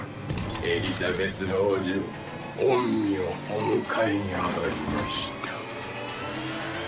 エリザベス王女御身をお迎えに上がりました。